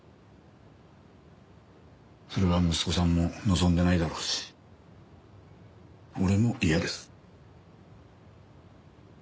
それは息子さんも望んでないだろうし俺も嫌です。